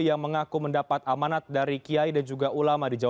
yang mengaku mendapat amanat dari pemimpin pusat muhammadiyah